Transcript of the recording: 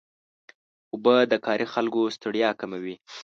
اوبه د کاري خلکو ستړیا کموي.